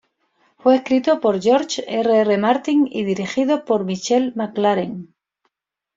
Fue escrito por George R. R. Martin y dirigido por Michelle MacLaren.